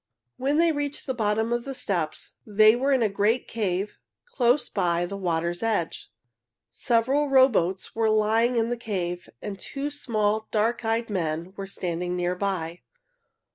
When they reached the bottom of the steps they were in a great cave close by the water's edge. Several rowboats were lying in the cave, and two small, dark eyed men were standing near by.